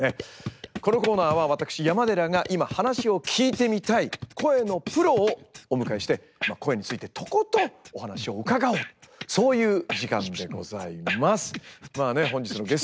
このコーナーは私山寺が今話を聞いてみたい声のプロをお迎えして声についてとことんお話を伺おうとそういう時間でございます。